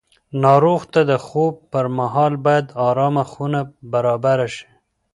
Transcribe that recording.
ناروغ ته د خوب پر مهال باید ارامه خونه برابره شي.